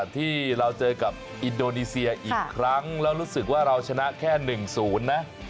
ที่เราเจอกับอินโดนีเซียอีกครั้งแล้วรู้สึกว่าเราชนะแค่๑๐นะ